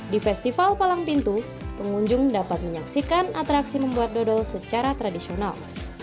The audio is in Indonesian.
di festival palang pintu pengunjung dapat menyaksikan atraksi membuat dodol secara tradisional